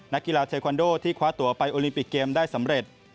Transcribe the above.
นักกีฬาเทควันโดที่คว้าตัวไปโอลิมปิกเกมได้สำเร็จ